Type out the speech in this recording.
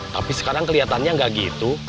tapi sekarang keliatannya gak gitu